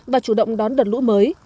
và chủ động đón đợt lũ mới